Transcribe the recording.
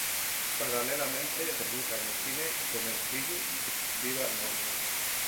Paralelamente debuta en el cine con el film "Viva el Novio!